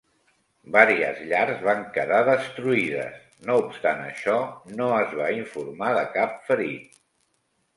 Vàries llars van quedar destruïdes; no obstant això, no es va informar de cap ferit.